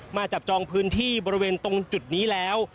จับจองพื้นที่บริเวณตรงจุดนี้แล้ว